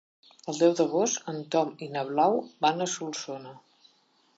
El deu d'agost en Tom i na Blau van a Solsona.